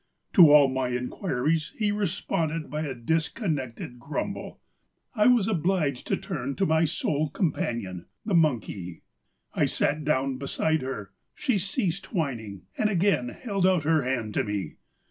To all my inquiries he responded by a dis connected grumble. I was obliged to turn to my sole companion, the monkey. I sat down beside her ; she ceased whining, and again held out her hand to me.